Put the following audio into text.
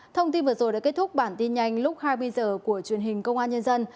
thông tin vừa rồi đã kết thúc bản tin nhanh lúc hai mươi h của truyền hình công an nhân dân